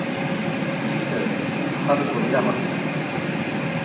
Bi zerbitzu jarriko dira martxan.